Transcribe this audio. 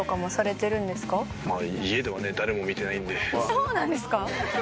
そうなんですか？